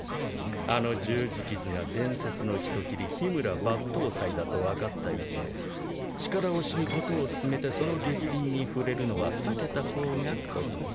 あの十字傷が伝説の人斬り緋村抜刀斎だと分かった以上力押しに事を進めてその逆鱗に触れるのは避けた方が得策。